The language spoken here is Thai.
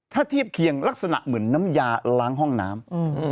ถ้าเทียบเคียงลักษณะเหมือนน้ำยาล้างห้องน้ำ